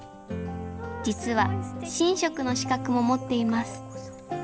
実は神職の資格も持っています。